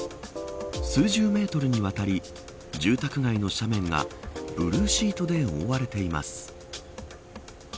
数十メートルにわたり住宅街の斜面がブルーシートで覆われています。